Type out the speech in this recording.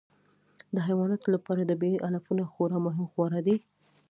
د حیواناتو لپاره طبیعي علفونه خورا مهم خواړه دي.